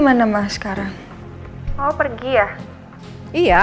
ma mama tidur di rumahnya